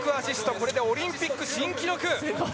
これでオリンピック新記録！